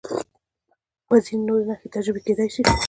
و ځینې نورې نښې تجربه کېدای شي.